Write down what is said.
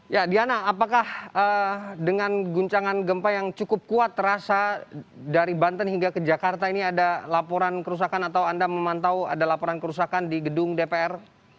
ya diana apakah dengan guncangan gempa yang cukup kuat terasa dari banten hingga ke jakarta ini ada laporan kerusakan atau anda memantau ada laporan kerusakan di gedung dpr